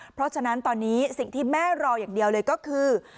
เพราะฉะนั้นตอนนี้สิ่งที่แม่รออย่างเดียวเลยก็คือ